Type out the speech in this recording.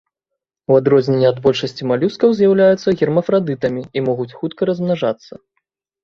У адрозненне ад большасці малюскаў з'яўляюцца гермафрадытамі і могуць хутка размнажацца.